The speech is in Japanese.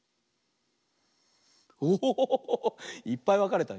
おおいっぱいわかれたね。